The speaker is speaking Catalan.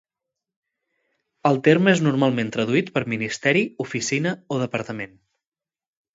El terme és normalment traduït per ministeri, oficina o departament.